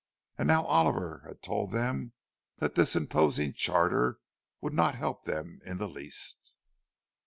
And now Oliver had told them that this imposing charter would not help them in the least!